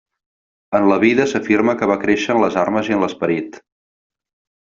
En la vida s'afirma que va créixer en les armes i en l'esperit.